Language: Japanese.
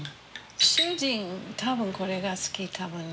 主人多分これが好きかもね。